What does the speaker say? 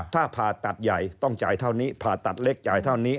ถ้าผ่าตัดใหญ่ต้องจ่ายเท่านี้ผ่าตัดเล็กจ่ายเท่านี้